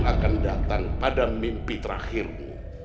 akan datang pada mimpi terakhirmu